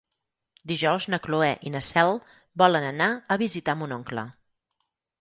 Dijous na Cloè i na Cel volen anar a visitar mon oncle.